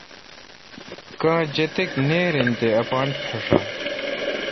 کاں جتک نییر این تے اپان پھݭا ۔